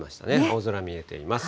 青空見えています。